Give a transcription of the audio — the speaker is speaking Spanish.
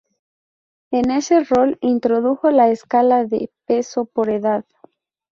En ese rol introdujo la escala de peso-por-edad.